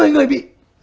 một mươi người bị